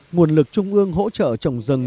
nguồn lực trung ương hỗ trợ trồng rừng